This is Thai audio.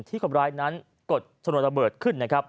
ที่ความร้ายนั้นกดขนวดระเบิดขึ้น